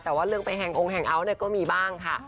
แต่ว่าเรื่องไปแฮงอุ้งแฮงอัวเนี่ยก็มีบ้างค่ะ